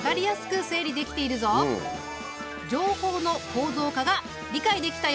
情報の構造化が理解できたようだな。